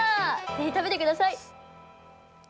ぜひ食べてください。